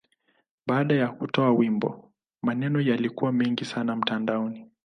Baada ya kutoa wimbo, maneno yalikuwa mengi sana mtandaoni.